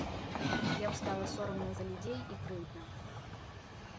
Яму стала сорамна за людзей і крыўдна.